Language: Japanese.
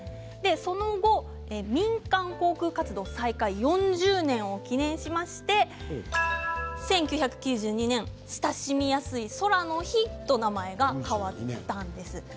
その後、民間航空活動再開４０年を記念しまして、１９９２年親しみやすい「空の日」と名前が変わったんです。